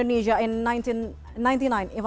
anda sudah terbuka